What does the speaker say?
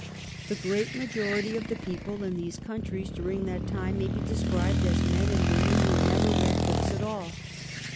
The great majority of the people in these countries during that time may be described as men and women who never read books at all.